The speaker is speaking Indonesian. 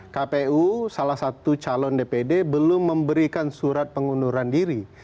kpu salah satu calon dpd belum memberikan surat pengunduran diri